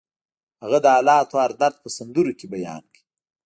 هغه د حالاتو هر درد په سندرو کې بیان کړ